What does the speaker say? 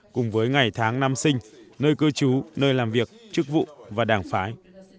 cùng với ngày tháng năm sinh nơi cư trú nơi làm việc chức vụ và đảng phái